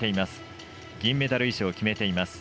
銀メダル以上を決めています。